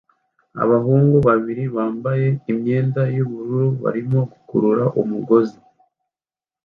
Abahungu babiri bambaye imyenda yubururu barimo gukurura umugozi